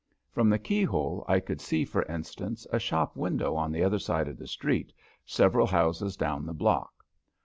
From the keyhole I could see, for instance, a shop window on the other side of the street, several houses down the block.